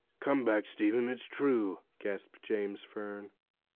'Come back, Stephen; it's true,' gasped James Fern.